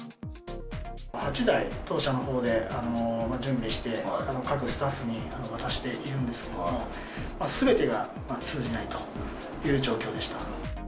８台当社のほうで準備して、各スタッフに渡しているんですけれども、すべてが通じないという状況でした。